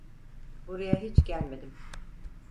Buraya hiç gelmedim.